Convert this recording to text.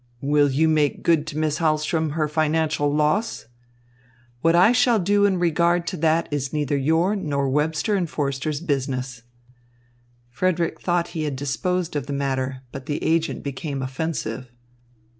"Will you make good to Miss Hahlström her financial loss?" "What I shall do in regard to that is neither your nor Webster and Forster's business." Frederick thought he had disposed of the matter, but the agent became offensive.